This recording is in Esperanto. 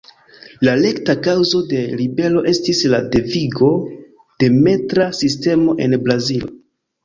La rekta kaŭzo de ribelo estis la devigo de metra sistemo en Brazilo.